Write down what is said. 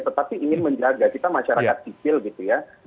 tetapi ingin menjaga kita masyarakat sipil gitu ya